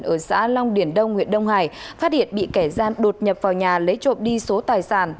ở xã long điển đông huyện đông hải phát hiện bị kẻ gian đột nhập vào nhà lấy trộm đi số tài sản